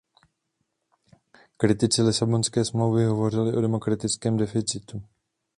Kritici Lisabonské smlouvy hovořili o demokratickém deficitu.